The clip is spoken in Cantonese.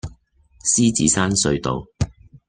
獅子山隧道